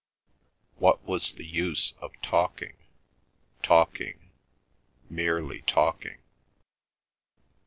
What was the use of talking, talking, merely talking?